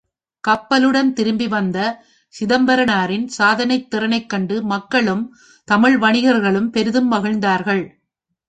கப்பலுடன் திரும்பி வந்த சிதம்பரனாரின் சாதனைத் திறனைக் கண்டு மக்களும், தமிழ் வணிகர்களும் பெரிதும் மகிழ்ந்தார்கள்.